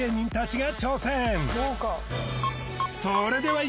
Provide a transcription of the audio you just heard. それではい